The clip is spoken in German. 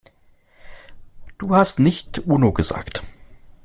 Du hast nicht Uno gesagt.